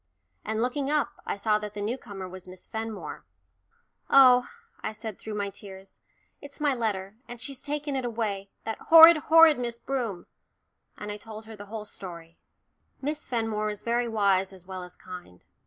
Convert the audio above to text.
and looking up, I saw that the new comer was Miss Fenmore. "Oh," I said through my tears, "it's my letter, and she's taken it away that horrid, horrid Miss Broom." And I told her the whole story. Miss Fenmore was very wise as well as kind.